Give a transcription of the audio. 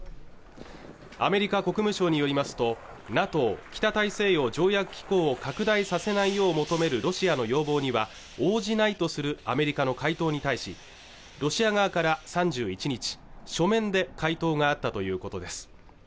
アメリカ国務省によりますとＮＡＴＯ＝北大西洋条約機構を拡大させないよう求めるロシアの要望には応じないとするアメリカの回答に対しロシア側から３１日書面で回答があったということです